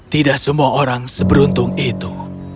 tidak semua orang seberuntung itu